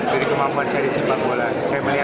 jadi kemampuan saya disimbang bola